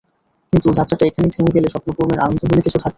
কিন্তু যাত্রাটা এখানেই থেমে গেলে স্বপ্নপূরণের আনন্দ বলে কিছু থাকবে না।